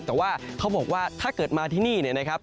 แต่ว่าเขาบอกว่าถ้าเกิดมาที่นี่เนี่ยนะครับ